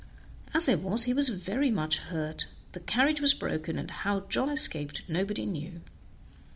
As it was, he was very much hurt, the carriage was broken, and how John escaped nobody knew."